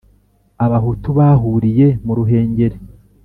Abahutu bahuriye mu Ruhengeri